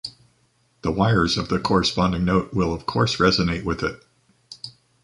The wires of the corresponding note will of course resonate with it.